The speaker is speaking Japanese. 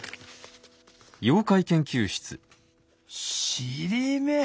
尻目？